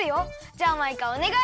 じゃあマイカおねがい！